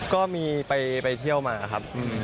ก็มีไปเที่ยวมาครับ